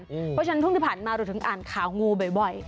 เพราะฉะนั้นช่วงที่ผ่านมาเราถึงอ่านข่าวงูบ่อย